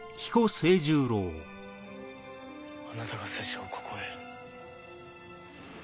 あなたが拙者をここへ？